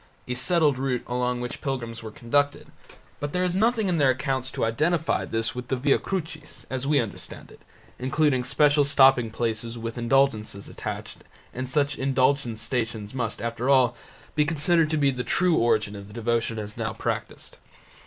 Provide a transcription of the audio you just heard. a settled route along which pilgrims were conducted, but there is nothing in their accounts to identify this with the Via Crucis, as we understand it, including special stopping places with indulgences attached, and such indulgenced Stations must, after all, be considered to be the true origin of the devotion as now practised.